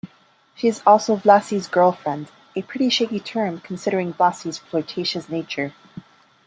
She is also Vlassis' girlfriend, a pretty shaky term considering Vlassis' flirtatious nature.